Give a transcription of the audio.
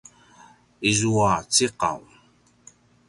izua ciqaw